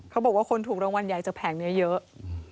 เขาบอกว่าคนถูกรางวัลใหญ่จากแผงนี้เยอะ